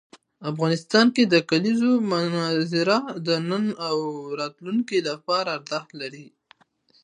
افغانستان کې د کلیزو منظره د نن او راتلونکي لپاره ارزښت لري.